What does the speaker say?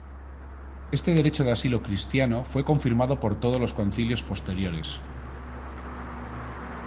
Este derecho de asilo cristiano fue confirmado por todos los concilios posteriores.